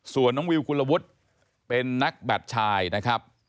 ส่วนน้องวิวกุลวุฒิเป็นนักแบตชายนะครับ